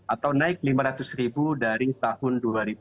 atau naik lima ratus ribu dari tahun dua ribu dua